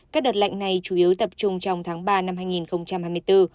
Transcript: các đợt lạnh này chủ yếu tập trung trong tháng ba năm hai nghìn hai mươi bốn